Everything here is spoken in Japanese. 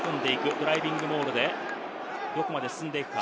ドライビングモールでどこまで進んでいくか。